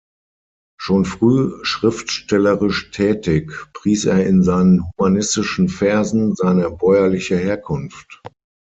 Schon früh schriftstellerisch tätig, pries er in seinen humanistischen Versen seine bäuerliche Herkunft.